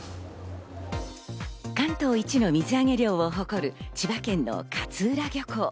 関東一の水揚げ量を誇る千葉県の勝浦漁港。